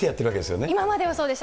今まではそうでした。